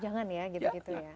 jangan ya gitu gitu ya